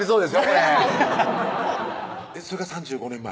これそれが３５年前？